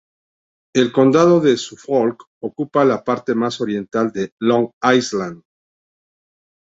El condado de Suffolk ocupa la parte más oriental de Long Island.